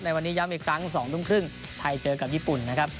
ในวันนี้ย้ำอีกครั้ง๒๕ไทยเจอกับญี่ปุ่นนะครับ